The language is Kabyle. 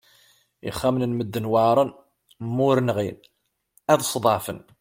Ixxamen n medden weɛṛen ma ur nɣin ad sḍeɛfen!